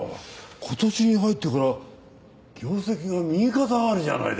今年に入ってから業績が右肩上がりじゃないですか。